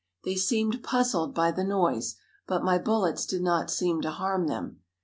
They seemed puzzled by the noise, but my bullets did not seem to harm them.